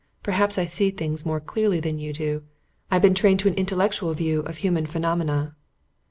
Perhaps I see things more clearly than you do. I've been trained to an intellectual view of human phenomena."